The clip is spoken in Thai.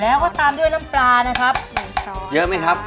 แล้วก็ตามด้วยน้ำปลานะครับ